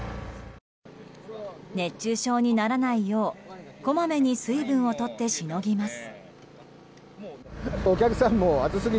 熱中症にならないようこまめに水分を取ってしのぎます。